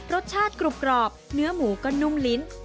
รสชาติกรุบกรอบเนื้อหมูก็นุ่มลิ้นฟินส์สุดเลยค่ะ